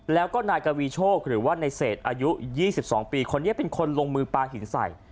แล้วก็นายกวีโชคหรือว่าในเศษอายุ๒๒ปีคนนี้เป็นคนลงมือปลาหินใส่